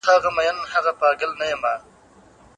موږ باید له تنګ نظرۍ څخه ځان وساتو.